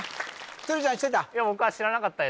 鶴ちゃん知ってた？